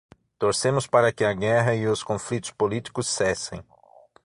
Torcemos para que a guerra e os conflitos políticos cessem